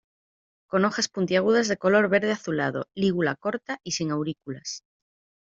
Con hojas puntiagudas de color verde azulado, lígula corta y sin aurículas.